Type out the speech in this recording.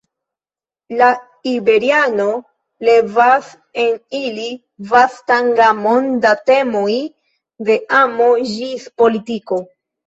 La iberiano levas en ili vastan gamon da temoj, de amo ĝis politiko.